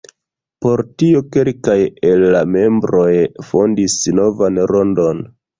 Por tio kelkaj el la membroj fondis novan rondon.